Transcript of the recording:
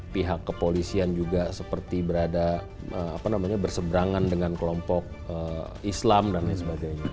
pihak kepolisian juga seperti berada berseberangan dengan kelompok islam dan lain sebagainya